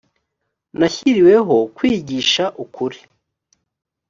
nashyiriweho kwigisha ukuri